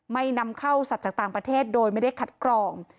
นำเข้าสัตว์จากต่างประเทศโดยไม่ได้คัดกรอง